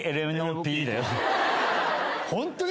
ホントに？